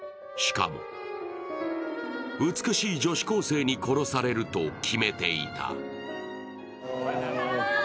しかも、美しい女子高生に殺されると決めていた。